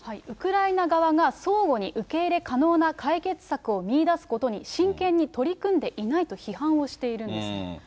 ウクライナ側が相互に受け入れ可能な解決策を見いだすことに真剣に取り組んでいないと批判をしているんです。